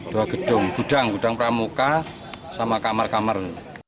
dua gedung gudang gudang pramuka sama kamar kamar